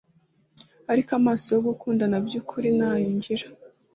ariko amaso yo gukundana byukuri ntayo ngira